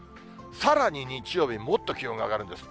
さらに日曜日、もっと気温が上がるんです。